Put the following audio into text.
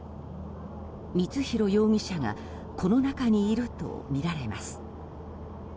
光弘容疑者がこの中にいるとみられます。